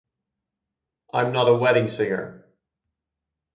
I'm not a wedding singer!